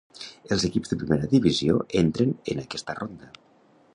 Els equips de Primera divisió entren en aquesta ronda.